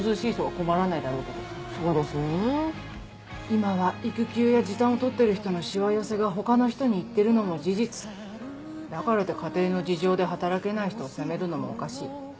今は育休や時短を取ってる人のしわ寄せが他の人に行ってるのも事実だからって家庭の事情で働けない人を責めるのもおかしい。